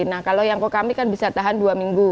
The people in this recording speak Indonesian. nah kalau yangko kami kan bisa tahan dua minggu